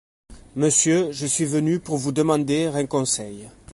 Monsieur, je suis venu pour vous demander un conseil.